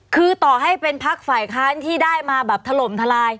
คือต่อให้เป็นพักฝ่ายค้านที่ได้มาแบบถล่มทลาย